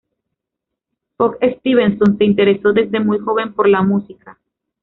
Fox Stevenson se interesó desde muy joven por la música.